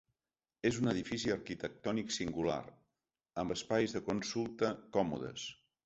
És un edifici arquitectònic singular, amb espais de consulta còmodes.